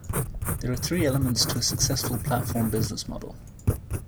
There are three elements to a successful platform business model.